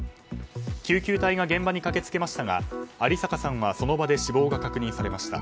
救急隊が現場に駆けつけましたが有坂さんは、その場で死亡が確認されました。